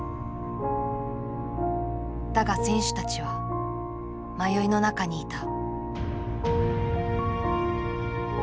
だが選手たちは迷いの中にいた。